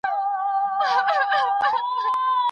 حاجیانو ته کوم واکسینونه اړین دي؟